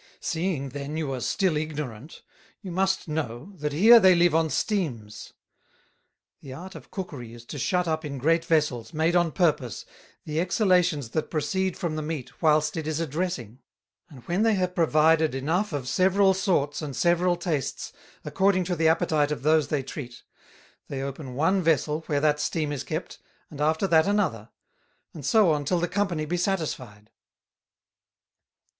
Seeing then you are still ignorant, you must know, that here they live on Steams. The art of Cookery is to shut up in great Vessels, made on purpose, the Exhalations that proceed from the Meat whilst it is a dressing; and when they have provided enough of several sorts and several tastes, according to the Appetite of those they treat; they open one Vessel where that Steam is kept, and after that another; and so on till the Company be satisfied.